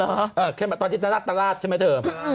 เออแค่แต่ตอนที่จะรัฐใช่ไหมเธอ